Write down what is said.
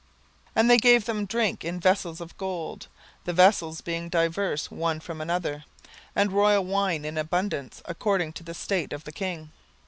17:001:007 And they gave them drink in vessels of gold, (the vessels being diverse one from another,) and royal wine in abundance, according to the state of the king.